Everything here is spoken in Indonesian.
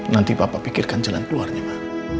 nanti papa pikirkan jalan keluarnya ma